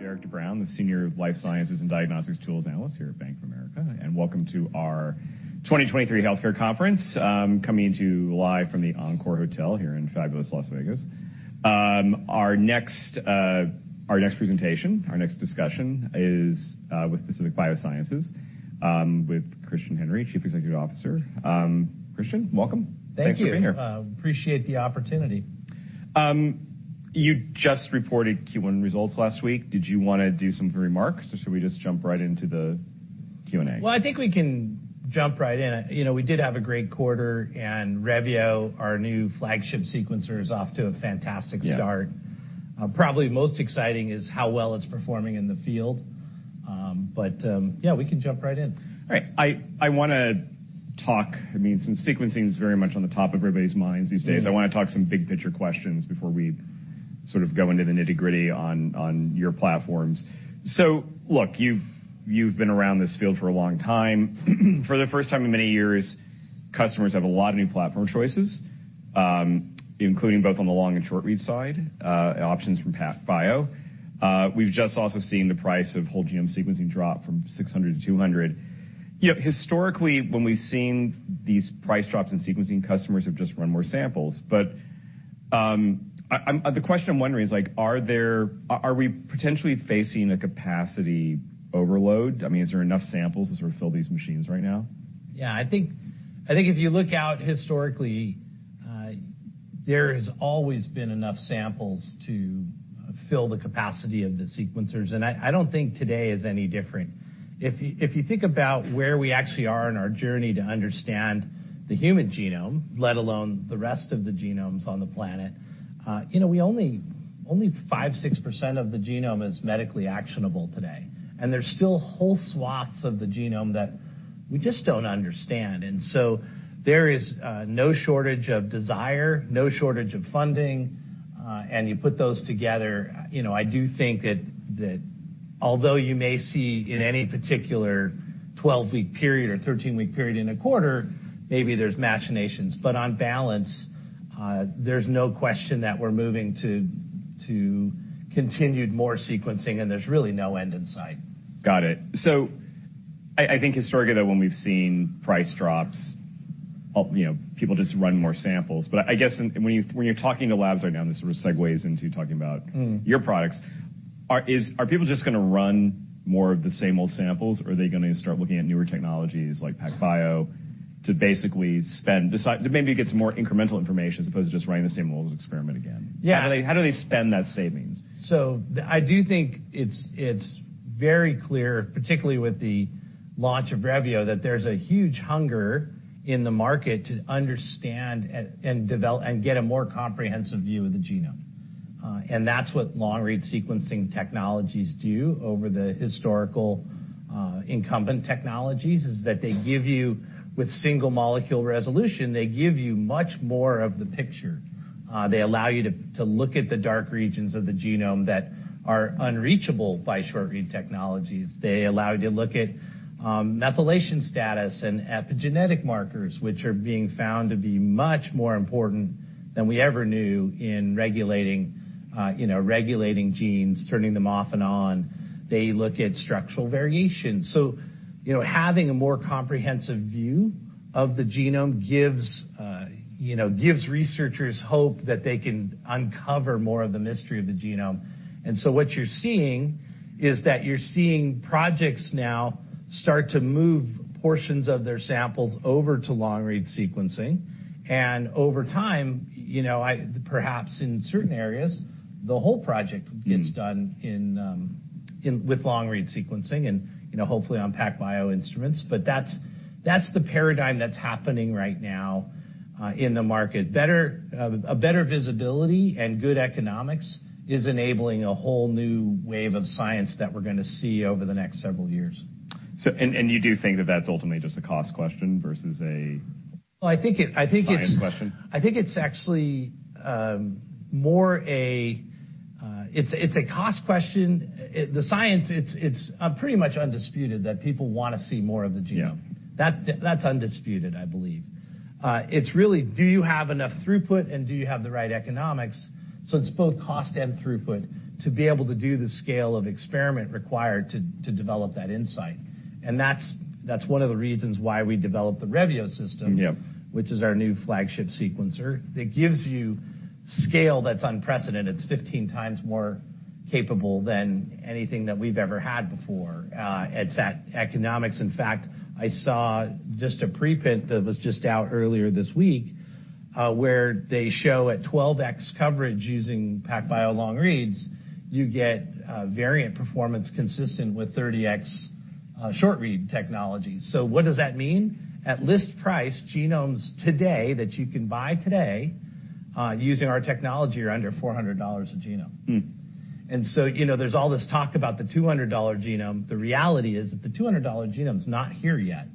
I'm Derik De Bruin, the Senior Life Sciences and Diagnostics Tools Analyst here at Bank of America, and welcome to our 2023 healthcare conference, coming to you live from the Encore Hotel here in fabulous Las Vegas. Our next, our next presentation, our next discussion is with Pacific Biosciences, with Christian Henry, Chief Executive Officer. Christian, welcome. Thank you. Thanks for being here. Appreciate the opportunity. You just reported Q1 results last week. Did you wanna do some remarks, or should we just jump right into the Q&A? Well, I think we can jump right in. You know, we did have a great quarter, and Revio, our new flagship sequencer, is off to a fantastic start. Yeah. Probably most exciting is how well it's performing in the field. Yeah, we can jump right in. All right. I mean, since sequencing is very much on the top of everybody's minds these days. Mm-hmm. I want to talk some big picture questions before we sort of go into the nitty-gritty on your platforms. Look, you've been around this field for a long time. For the first time in many years, customers have a lot of new platform choices, including both on the long and short read side, options from PacBio. We've just also seen the price of whole genome sequencing drop from $600 to $200. You know, historically, when we've seen these price drops in sequencing, customers have just run more samples. The question I'm wondering is like, are we potentially facing a capacity overload? I mean, is there enough samples to sort of fill these machines right now? Yeah. I think if you look out historically, there has always been enough samples to fill the capacity of the sequencers. I don't think today is any different. If you think about where we actually are in our journey to understand the human genome, let alone the rest of the genomes on the planet, you know, we only 5%, 6% of the genome is medically actionable today. There's still whole swaths of the genome that we just don't understand. There is no shortage of desire, no shortage of funding, and you put those together, you know, I do think that although you may see in any particular 12 week period or 13 week period in a quarter, maybe there's machinations, but on balance, there's no question that we're moving to continued more sequencing, and there's really no end in sight. Got it. I think historically that when we've seen price drops, you know, people just run more samples. I guess when you're talking to labs right now, and this sort of segues into talking about Mm. your products, are people just gonna run more of the same old samples, or are they gonna start looking at newer technologies like PacBio to basically decide to maybe get some more incremental information as opposed to just running the same old experiment again? Yeah. How do they spend that savings? I do think it's very clear, particularly with the launch of Revio, that there's a huge hunger in the market to understand and develop and get a more comprehensive view of the genome. That's what long-read sequencing technologies do over the historical incumbent technologies, is that they give you, with single molecule resolution, they give you much more of the picture. They allow you to look at the dark regions of the genome that are unreachable by short-read technologies. They allow you to look at methylation status and epigenetic markers, which are being found to be much more important than we ever knew in regulating, you know, genes, turning them off and on. They look at structural variation. you know, having a more comprehensive view of the genome gives, you know, gives researchers hope that they can uncover more of the mystery of the genome. What you're seeing is that you're seeing projects now start to move portions of their samples over to long-read sequencing. Over time, you know, perhaps in certain areas, the whole project gets done with long-read sequencing and, you know, hopefully on PacBio instruments. That's the paradigm that's happening right now in the market. Better, a better visibility and good economics is enabling a whole new wave of science that we're gonna see over the next several years. You do think that that's ultimately just a cost question versus a, Well, I think it's science question? I think it's actually, more a cost question. The science, it's pretty much undisputed that people wanna see more of the genome. Yeah. That's undisputed, I believe. It's really do you have enough throughput, and do you have the right economics? It's both cost and throughput to be able to do the scale of experiment required to develop that insight. That's one of the reasons why we developed the Revio system. Yeah. which is our new flagship sequencer. It gives you scale that's unprecedented. It's 15x more capable than anything that we've ever had before. It's at economics. In fact, I saw just a preprint that was just out earlier this week, where they show at 12x coverage using PacBio long reads, you get variant performance consistent with 30x short-read technology. What does that mean? At list price, genomes today, that you can buy today, using our technology are under $400 a genome. Hmm. You know, there's all this talk about the $200 genome. The reality is that the $200 genome's not here yet.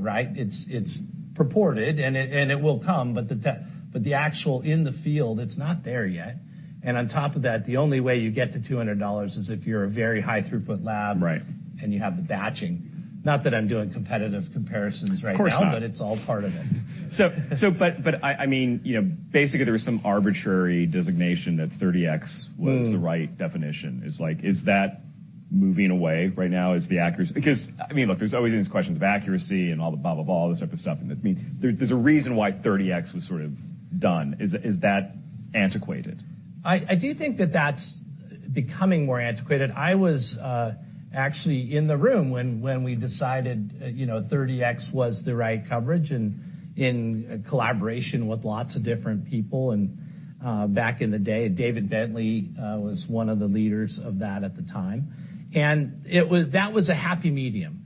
Right? It's purported, and it will come, but the actual in the field, it's not there yet. On top of that, the only way you get to $200 is if you're a very high throughput lab Right. and you have the batching. Not that I'm doing competitive comparisons right now Of course not. It's all part of it. But I mean, you know, basically, there was some arbitrary designation that 30x was the right definition. It's like, is that. Moving away right now is the accuracy because, I mean, look, there's always these questions of accuracy and all the blah, blah, all this type of stuff. That means there's a reason why 30x was sort of done. Is that antiquated? I do think that that's becoming more antiquated. I was actually in the room when we decided, you know, 30x was the right coverage and in collaboration with lots of different people. Back in the day, David Bentley was one of the leaders of that at the time, and that was a happy medium.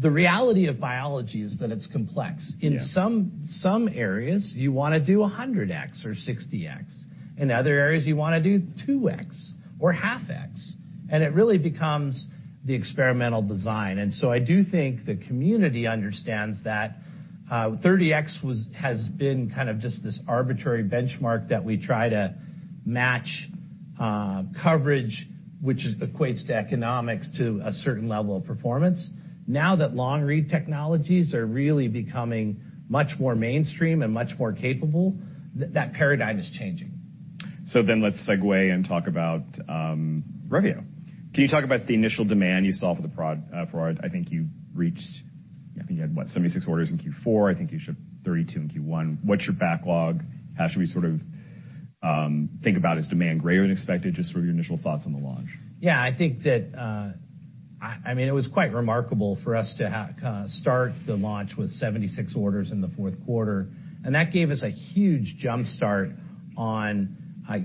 The reality of biology is that it's complex. Yeah. In some areas, you wanna do 100x or 60x. In other areas, you wanna do 2x or 1/2x, and it really becomes the experimental design. I do think the community understands that 30x has been kind of just this arbitrary benchmark that we try to match coverage, which equates to economics to a certain level of performance. Now that long-read technologies are really becoming much more mainstream and much more capable, that paradigm is changing. Let's segue and talk about Revio. Can you talk about the initial demand you saw? I think you reached, I think you had, what, 76 orders in Q4. I think you shipped 32 in Q1. What's your backlog? How should we sort of think about, is demand greater than expected? Just sort of your initial thoughts on the launch. Yeah. I think that, I mean, it was quite remarkable for us to start the launch with 76 orders in the fourth quarter. That gave us a huge jump-start on,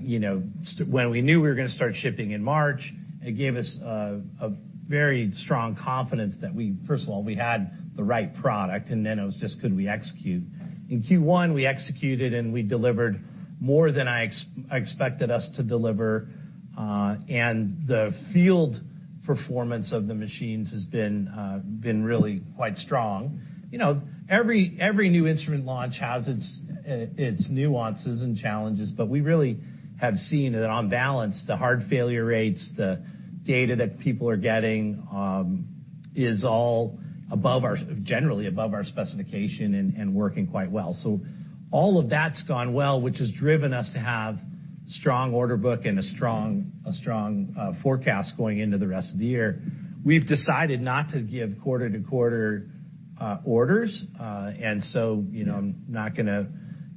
you know, when we knew we were going to start shipping in March. It gave us a very strong confidence that we, first of all, we had the right product. Then it was just, could we execute? In Q1, we executed. We delivered more than I expected us to deliver. The field performance of the machines has been really quite strong. You know, every new instrument launch has its nuances and challenges. We really have seen that on balance, the hard failure rates, the data that people are getting, is all above our, generally above our specification and working quite well. All of that's gone well, which has driven us to have strong order book and a strong forecast going into the rest of the year. We've decided not to give quarter-to-quarter orders. You know, I'm not gonna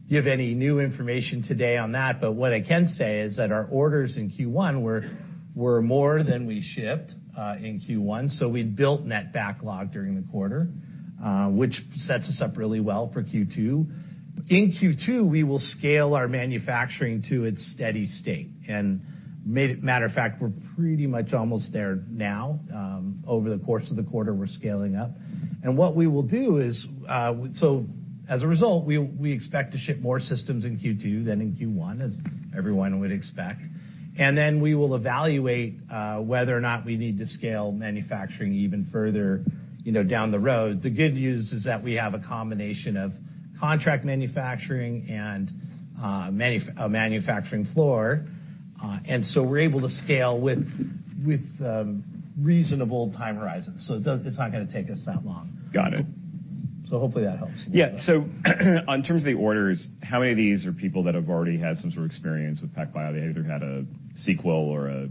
give any new information today on that, but what I can say is that our orders in Q1 were more than we shipped in Q1. We built net backlog during the quarter, which sets us up really well for Q2. In Q2, we will scale our manufacturing to its steady state, and matter of fact, we're pretty much almost there now. Over the course of the quarter, we're scaling up. What we will do is, as a result, we expect to ship more systems in Q2 than in Q1, as everyone would expect. We will evaluate, whether or not we need to scale manufacturing even further, you know, down the road. The good news is that we have a combination of contract manufacturing and, a manufacturing floor, and so we're able to scale with reasonable time horizons, so it's not gonna take us that long. Got it. Hopefully that helps. Yeah. In terms of the orders, how many of these are people that have already had some sort of experience with PacBio? They either had a Sequel or a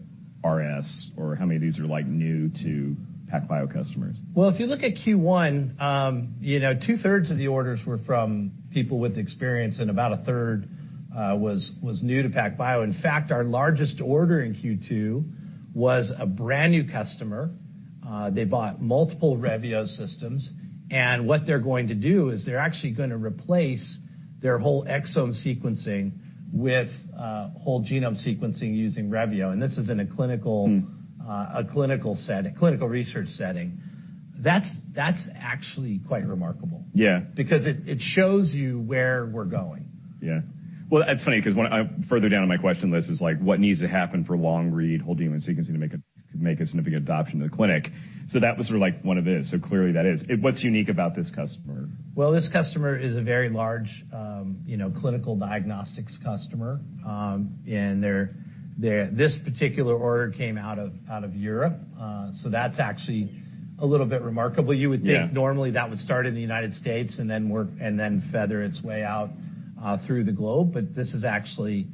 RS, or how many of these are, like, new to PacBio customers? Well, if you look at Q1, you know, 2/3 of the orders were from people with experience, and about a third was new to PacBio. In fact, our largest order in Q2 was a brand-new customer. They bought multiple Revio systems, and what they're going to do is they're actually gonna replace their whole exome sequencing with whole genome sequencing using Revio. This is in a clinical Mm. a clinical research setting. That's actually quite remarkable. Yeah. It shows you where we're going. Yeah. Well, that's funny 'cause when further down in my question list is, like, what needs to happen for long-read whole human sequencing to make a significant adoption to the clinic? That was sort of like one of it. Clearly that is. What's unique about this customer? Well, this customer is a very large, you know, clinical diagnostics customer. Their this particular order came out of, out of Europe, that's actually a little bit remarkable. Yeah. You would think normally that would start in the United States and then feather its way out through the globe. This is actually,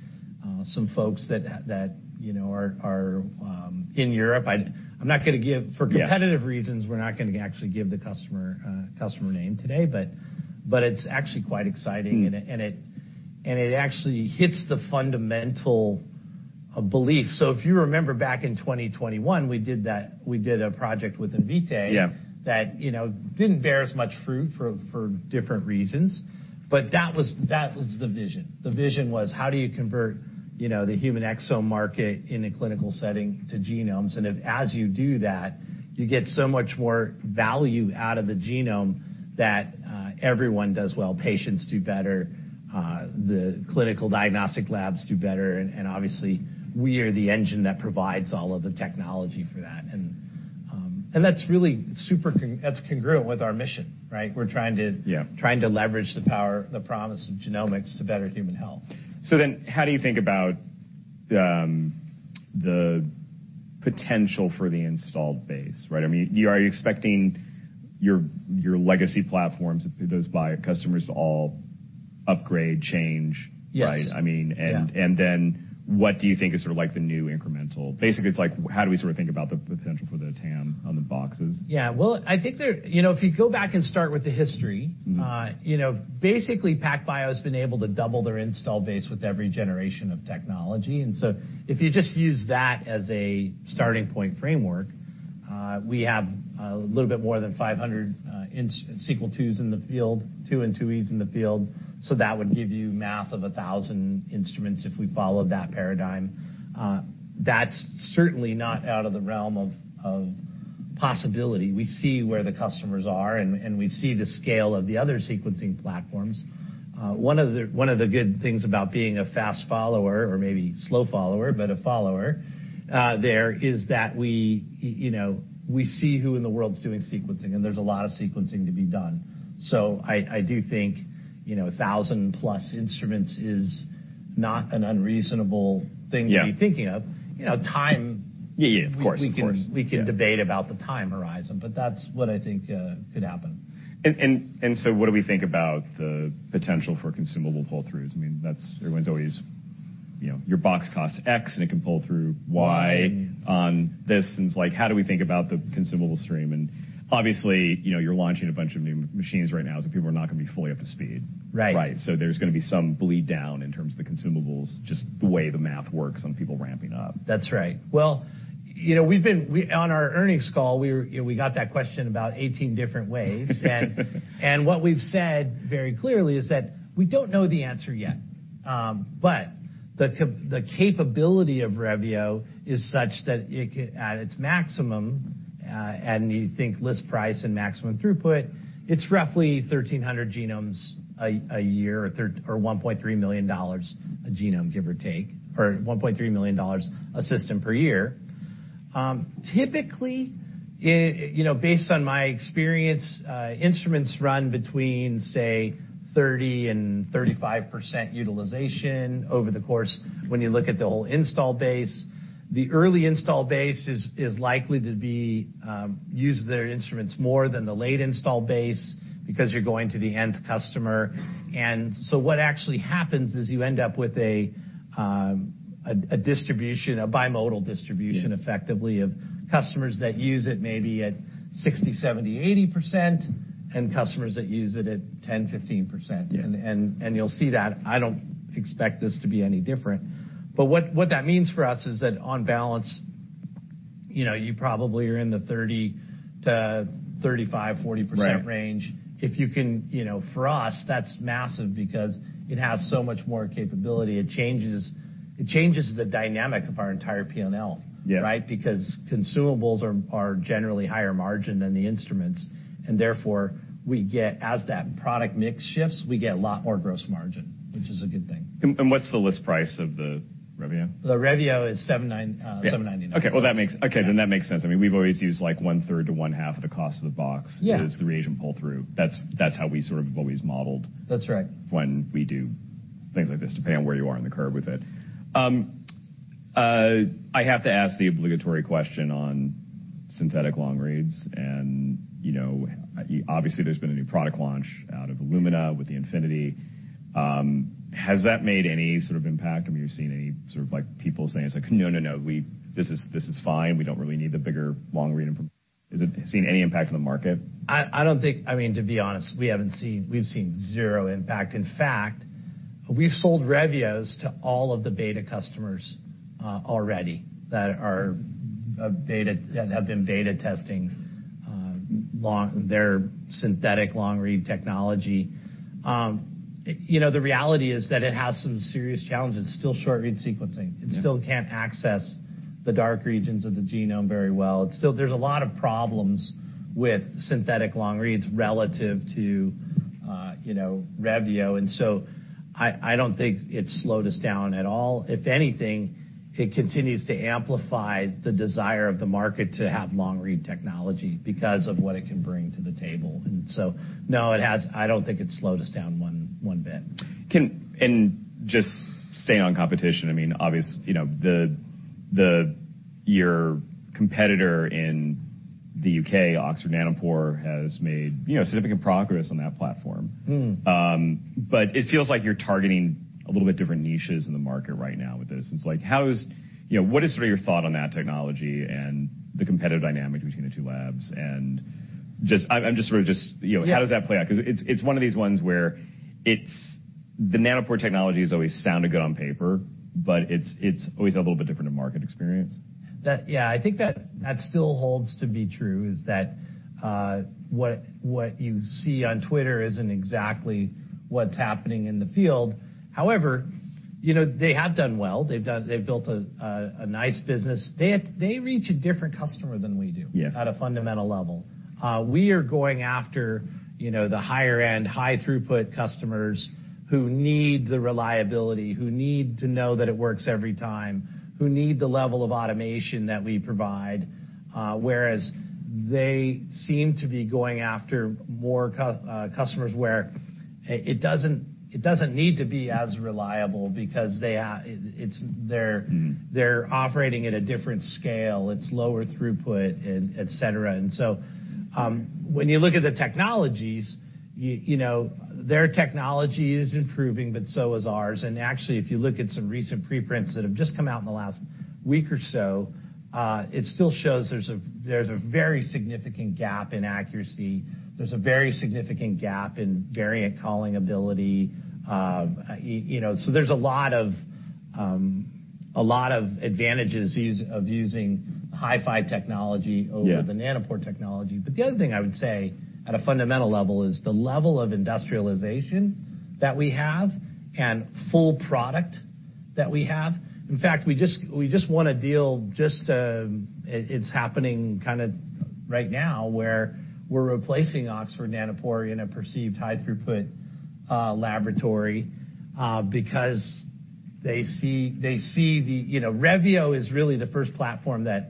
some folks that, you know, are in Europe. Yeah. For competitive reasons, we're not gonna actually give the customer name today, but it's actually quite exciting. Mm. It actually hits the fundamental belief. If you remember back in 2021, we did a project with Invitae. Yeah. that, you know, didn't bear as much fruit for different reasons. That was the vision. The vision was how do you convert, you know, the human exome market in a clinical setting to genomes? As you do that, you get so much more value out of the genome that everyone does well, patients do better, the clinical diagnostic labs do better, and obviously, we are the engine that provides all of the technology for that. That's really super congruent with our mission, right? We're trying to. Yeah. trying to leverage the power, the promise of genomics to better human health. How do you think about the potential for the installed base, right? I mean, are you expecting your legacy platforms, those buyer customers to all upgrade change. Yes. Right? I mean. Yeah. What do you think is sort of like the new incremental? Basically, it's like how do we sort of think about the potential for the TAM on the boxes? Yeah. Well, you know, if you go back and start with the history. Mm. Basically PacBio's been able to double their install base with every generation of technology. If you just use that as a starting point framework, we have a little bit more than 500 Sequel IIs in the field, II and IIe in the field, so that would give you math of 1,000 instruments if we followed that paradigm. That's certainly not out of the realm of possibility. We see where the customers are, and we see the scale of the other sequencing platforms. One of the good things about being a fast follower or maybe slow follower, but a follower, there is that we know, we see who in the world's doing sequencing, and there's a lot of sequencing to be done. I do think, you know, 1,000+ instruments is not an unreasonable thing. Yeah to be thinking of. You know. Yeah, yeah, of course, of course. We can debate about the time horizon, but that's what I think, could happen. What do we think about the potential for consumable pull-throughs? I mean, everyone's always, you know, your box costs X, and it can pull through Y on this. It's like, how do we think about the consumable stream? Obviously, you know, you're launching a bunch of new machines right now, so people are not gonna be fully up to speed. Right. Right. There's gonna be some bleed down in terms of the consumables, just the way the math works on people ramping up. That's right. Well, you know, on our earnings call, you know, we got that question about 18 different ways. What we've said very clearly is that we don't know the answer yet. But the capability of Revio is such that it can. At its maximum, and you think list price and maximum throughput, it's roughly 1,300 genomes a year or $1.3 million a genome, give or take. Or $1.3 million a system per year. Typically, you know, based on my experience, instruments run between, say, 30% and 35% utilization over the course when you look at the whole install base. The early install base is likely to be use their instruments more than the late install base because you're going to the end customer. What actually happens is you end up with a distribution, a bimodal distribution. Yeah effectively of customers that use it maybe at 60%, 70%, 80%, and customers that use it at 10%, 15%. Yeah. You'll see that. I don't expect this to be any different. What that means for us is that on balance, you know, you probably are in the 30%-35%, 40% range. Right. You know, for us, that's massive because it has so much more capability. It changes the dynamic of our entire P&L. Yeah. Consumables are generally higher margin than the instruments, and therefore we get, as that product mix shifts, we get a lot more gross margin, which is a good thing. What's the list price of the Revio? The Revio is $7.99. Yeah $7.99. Okay. Well, Okay, that makes sense. I mean, we've always used like 1/3 to 1/2 of the cost of the box. Yeah as the reagent pull-through. That's how we sort of have always modeled That's right. when we do things like this, depending on where you are in the curve with it. I have to ask the obligatory question on synthetic long reads, you know, obviously, there's been a new product launch out of Illumina with the Infinity. Has that made any sort of impact? I mean, have you seen any sort of like people saying it's like, "No, no. This is, this is fine. We don't really need the bigger long read information." Seen any impact on the market? I don't think. I mean, to be honest, we've seen zero impact. In fact, we've sold Revios to all of the beta customers already that are beta, that have been beta testing their synthetic long read technology. You know, the reality is that it has some serious challenges. It's still short-read sequencing. Yeah. It still can't access the dark regions of the genome very well. There's a lot of problems with synthetic long reads relative to, you know, Revio. I don't think it's slowed us down at all. If anything, it continues to amplify the desire of the market to have long read technology because of what it can bring to the table. No, I don't think it's slowed us down one bit. Just staying on competition, I mean, obvious, you know, your competitor in the UK, Oxford Nanopore, has made, you know, significant progress on that platform. Mm. It feels like you're targeting a little bit different niches in the market right now with this. You know, what is sort of your thought on that technology and the competitive dynamic between the two labs? I'm just sort of just, you know. Yeah. How does that play out? 'Cause it's one of these ones where it's the Nanopore technology has always sounded good on paper, but it's always a little bit different in market experience. That. Yeah. I think that still holds to be true, is that, what you see on Twitter isn't exactly what's happening in the field. You know, they have done well. They've built a nice business. They reach a different customer than we do. Yeah at a fundamental level. We are going after, you know, the higher end, high throughput customers who need the reliability, who need to know that it works every time, who need the level of automation that we provide, whereas they seem to be going after more customers where it doesn't need to be as reliable because they. Mm-hmm. they're operating at a different scale. It's lower throughput and et cetera. When you look at the technologies, you know, their technology is improving, but so is ours. If you look at some recent preprints that have just come out in the last week or so, it still shows there's a very significant gap in accuracy. There's a very significant gap in variant calling ability. You know, there's a lot of a lot of advantages of using HiFi technology. Yeah. over the Nanopore technology. The other thing I would say at a fundamental level is the level of industrialization that we have and full product that we have. In fact, we just won a deal just, it's happening kind of right now, where we're replacing Oxford Nanopore in a perceived high throughput laboratory, because they see the, You know, Revio is really the first platform that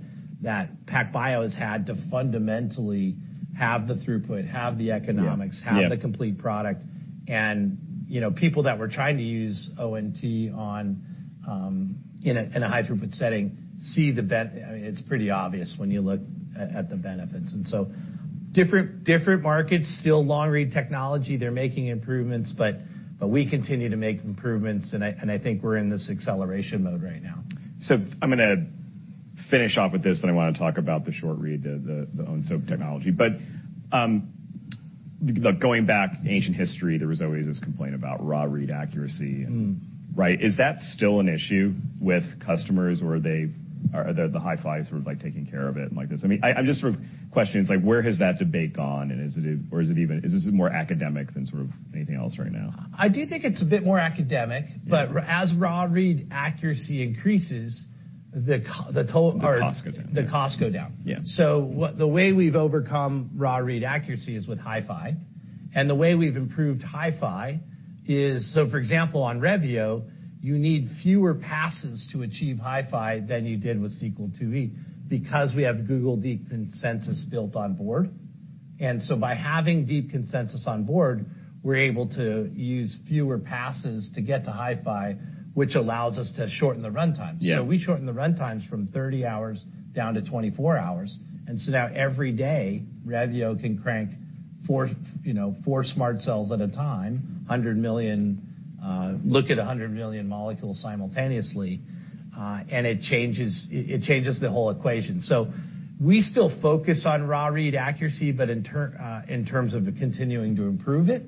PacBio has had to fundamentally have the throughput, have the economics Yeah, yeah. have the complete product. You know, people that were trying to use ONT on, in a, in a high throughput setting, I mean, it's pretty obvious when you look at the benefits. Different, different markets, still long-read technology. They're making improvements, but we continue to make improvements, and I think we're in this acceleration mode right now. I'm gonna finish off with this, then I wanna talk about the short-read, the Onso technology. Going back ancient history, there was always this complaint about raw read accuracy. Mm. Right? Is that still an issue with customers or are the HiFi sort of, like, taking care of it and like this? I mean, I'm just sort of questioning, it's like, where has that debate gone, and is it even is this more academic than sort of anything else right now? I do think it's a bit more academic. Yeah. As raw read accuracy increases, the total. The costs go down. The costs go down. Yeah. The way we've overcome raw read accuracy is with HiFi, and the way we've improved HiFi is. For example, on Revio, you need fewer passes to achieve HiFi than you did with Sequel IIe because we have Google DeepConsensus built on board. By having DeepConsensus on board, we're able to use fewer passes to get to HiFi, which allows us to shorten the run times. Yeah. We shorten the run times from 30 hours down to 24 hours. Now every day, Revio can crank 4, you know, 4 SMRT Cells at a time, 100 million, look at 100 million molecules simultaneously, and it changes the whole equation. We still focus on raw read accuracy, but in terms of continuing to improve it,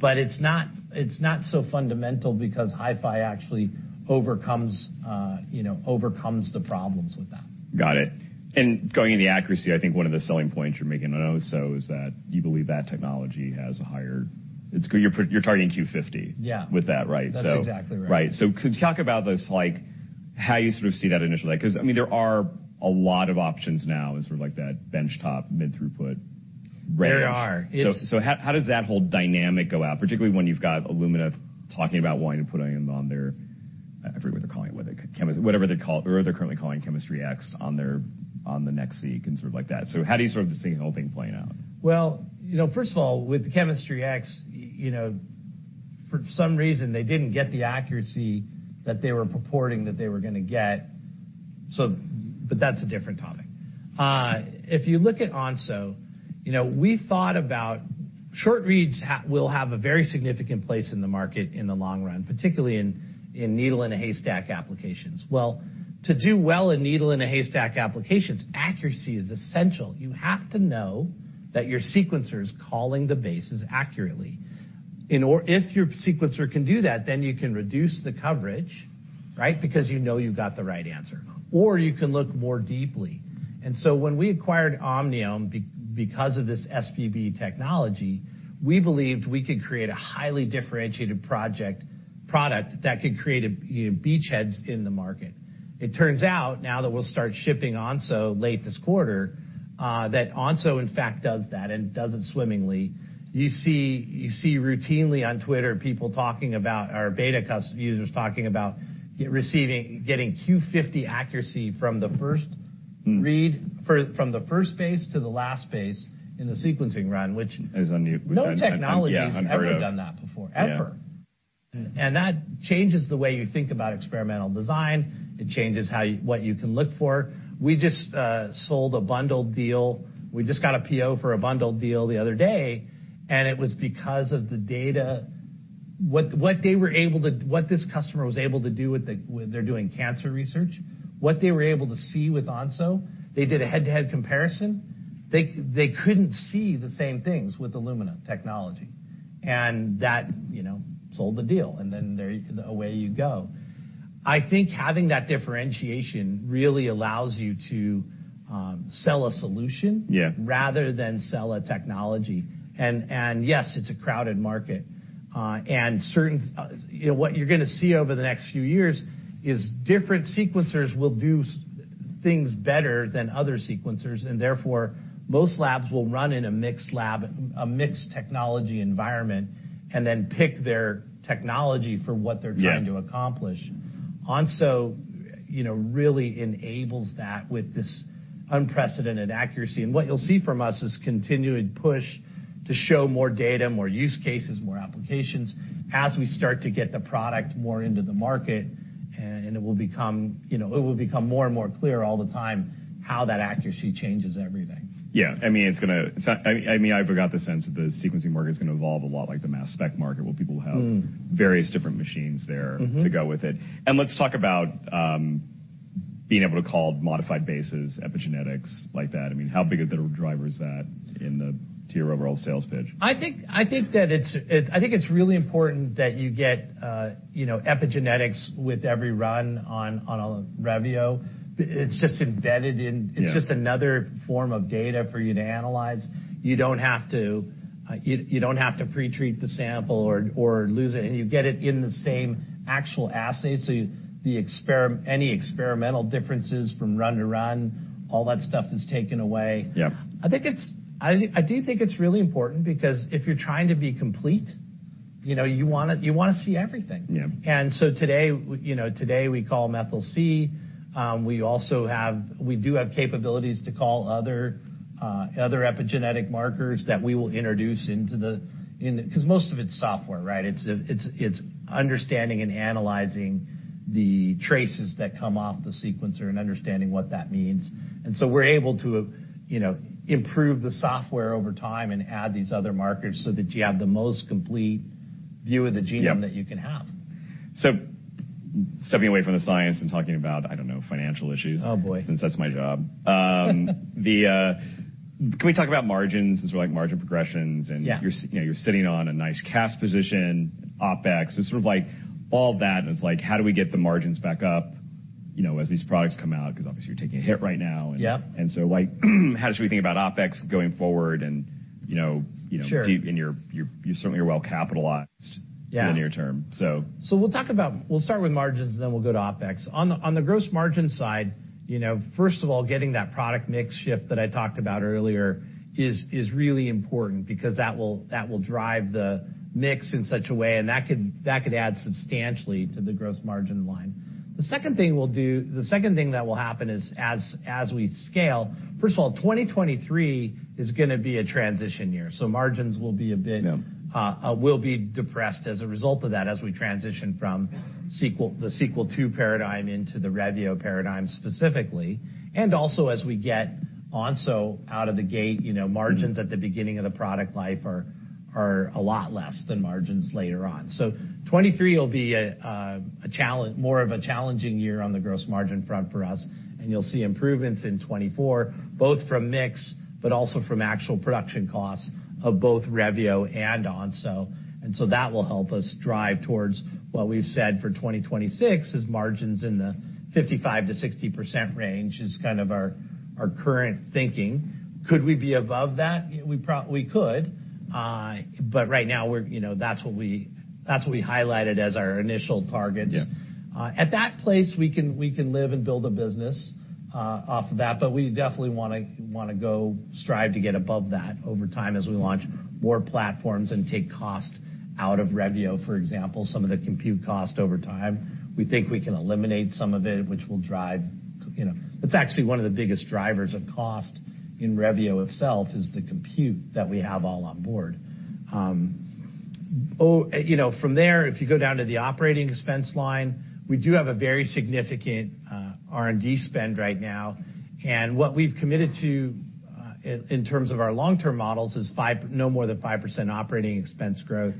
but it's not, it's not so fundamental because HiFi actually overcomes, you know, overcomes the problems with that. Got it. Going into accuracy, I think one of the selling points you're making on Onso is that you believe that technology has a higher, you're targeting Q50 Yeah. With that, right? That's exactly right. Right. Could you talk about this, like, how you sort of see that initially? 'Cause I mean, there are a lot of options now in sort of like that benchtop mid-throughput range. There are. How does that whole dynamic go out, particularly when you've got Illumina talking about wanting to put them on their, I forget what they're calling it, whatever they call it or they're currently calling Chemistry X on their, on the NextSeq and sort of like that. How do you sort of see the whole thing playing out? Well, you know, first of all, with Chemistry X, you know, for some reason, they didn't get the accuracy that they were purporting that they were gonna get. But that's a different topic. If you look at Onso, you know, we thought about short reads will have a very significant place in the market in the long run, particularly in needle in a haystack applications. Well, to do well in needle in a haystack applications, accuracy is essential. You have to know that your sequencer is calling the bases accurately. If your sequencer can do that, then you can reduce the coverage, right? Because you know you've got the right answer, or you can look more deeply. When we acquired Omniome because of this SBB technology, we believed we could create a highly differentiated product that could create a, you know, beachheads in the market. It turns out now that we'll start shipping Onso late this quarter, that Onso in fact does that and does it swimmingly. You see, you see routinely on Twitter people talking about our beta users talking about getting Q50 accuracy from the first read. Mm. from the first base to the last base in the sequencing run. Is on I'm, yeah, I've heard. No technology's ever done that before, ever. Yeah. That changes the way you think about experimental design. It changes how you what you can look for. We just sold a bundled deal. We just got a PO for a bundled deal the other day. It was because of the data. What this customer was able to do with the, They're doing cancer research. What they were able to see with Onso, they did a head-to-head comparison. They couldn't see the same things with Illumina technology. That, you know, sold the deal. Then there, away you go. I think having that differentiation really allows you to sell a solution. Yeah. rather than sell a technology. Yes, it's a crowded market, and certain... you know, what you're gonna see over the next few years is different sequencers will do things better than other sequencers, and therefore, most labs will run in a mixed lab, a mixed technology environment, and then pick their technology for what they're Yeah. trying to accomplish. Onso. You know, really enables that with this unprecedented accuracy. What you'll see from us is continued push to show more data, more use cases, more applications as we start to get the product more into the market, it will become, you know, it will become more and more clear all the time how that accuracy changes everything. Yeah. I mean, I've got the sense that the sequencing market is gonna evolve a lot like the mass spec market, where people have Mm. various different machines there. Mm-hmm. -to go with it. Let's talk about being able to call modified bases epigenetics like that. I mean, how big of a driver is that to your overall sales pitch? I think that it's really important that you get, you know, epigenetics with every run on Revio. It's just embedded. Yeah. It's just another form of data for you to analyze. You don't have to, you don't have to pre-treat the sample or lose it, and you get it in the same actual assay. The experimental differences from run to run, all that stuff is taken away. Yeah. I do think it's really important because if you're trying to be complete, you know, you wanna see everything. Yeah. Today, you know, today we call methyl C. We do have capabilities to call other epigenetic markers that we will introduce in the. Most of it's software, right? It's, it's understanding and analyzing the traces that come off the sequencer and understanding what that means. We're able to, you know, improve the software over time and add these other markers so that you have the most complete view of the genome. Yeah. that you can have. Stepping away from the science and talking about, I don't know, financial issues. Oh, boy. since that's my job. Can we talk about margins and so, like, margin progressions, and Yeah. You're, you know, you're sitting on a nice cash position, OpEx. It's sort of like all that, and it's like, how do we get the margins back up, you know, as these products come out? 'Cause obviously you're taking a hit right now and... Yeah. Like, how should we think about OpEx going forward and, you know? Sure. deep in you certainly are well capitalized Yeah. in the near term, so. We'll talk about, We'll start with margins, and then we'll go to OpEx. On the gross margin side, you know, first of all, getting that product mix shift that I talked about earlier is really important because that will drive the mix in such a way, and that could add substantially to the gross margin line. The second thing that will happen is as we scale... First of all, 2023 is gonna be a transition year, so margins will be a bit- Yeah. will be depressed as a result of that as we transition from Sequel, the Sequel II paradigm into the Revio paradigm specifically, and also as we get Onso out of the gate. You know, margins at the beginning of the product life are a lot less than margins later on. 2023 will be a more of a challenging year on the gross margin front for us, and you'll see improvements in 2024, both from mix but also from actual production costs of both Revio and Onso. That will help us drive towards what we've said for 2026 is margins in the 55%-60% range is kind of our current thinking. Could we be above that? We could, but right now we're, you know... That's what we, that's what we highlighted as our initial targets. Yeah. At that place, we can live and build a business off of that, but we definitely wanna go strive to get above that over time as we launch more platforms and take cost out of Revio. For example, some of the compute cost over time, we think we can eliminate some of it, which will drive, you know. It's actually one of the biggest drivers of cost in Revio itself, is the compute that we have all on board. From there, if you go down to the operating expense line, we do have a very significant R&D spend right now, and what we've committed to in terms of our long-term models is no more than 5% operating expense growth.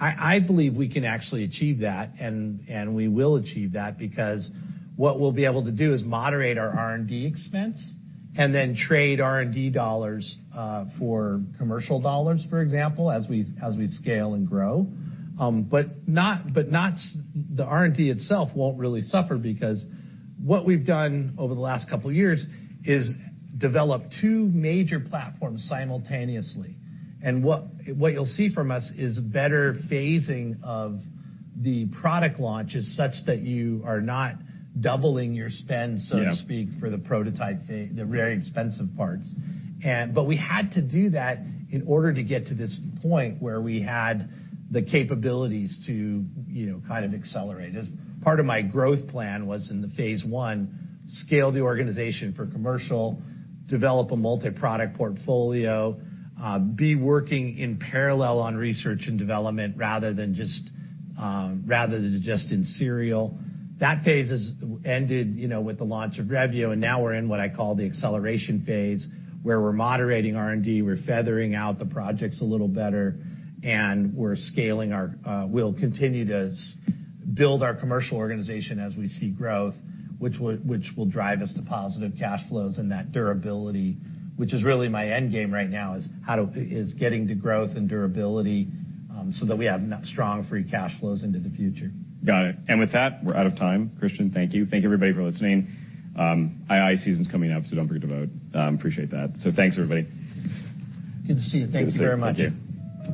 I believe we can actually achieve that, and we will achieve that because what we'll be able to do is moderate our R&D expense and then trade R&D dollars for commercial dollars, for example, as we scale and grow. The R&D itself won't really suffer because what we've done over the last couple years is develop two major platforms simultaneously, and what you'll see from us is better phasing of the product launches such that you are not doubling your spend... Yeah. So to speak, for the prototype phase, the very expensive parts. But we had to do that in order to get to this point where we had the capabilities to, you know, kind of accelerate. As part of my growth plan was in the phase one, scale the organization for commercial, develop a multi-product portfolio, be working in parallel on research and development rather than just, rather than just in serial. That phase has ended, you know, with the launch of Revio, and now we're in what I call the acceleration phase, where we're moderating R&D, we're feathering out the projects a little better, and we're scaling our... We'll continue to build our commercial organization as we see growth, which will drive us to positive cash flows and that durability, which is really my end game right now is getting to growth and durability, so that we have strong free cash flows into the future. Got it. With that, we're out of time. Christian, thank you. Thank you, everybody, for listening. proxy season's coming up, so don't forget to vote. appreciate that. Thanks, everybody. Good to see you. Thank you very much. Thank you.